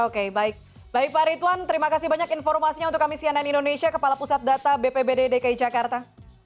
oke baik baik pak ritwan terima kasih banyak informasinya untuk kami cnn indonesia kepala pusat data bpbd dki jakarta